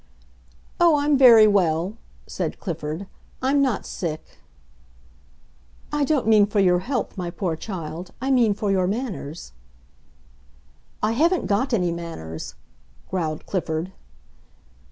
"Oh, I'm very well," said Clifford. "I'm not sick." "I don't mean for your health, my poor child. I mean for your manners." "I haven't got any manners!" growled Clifford.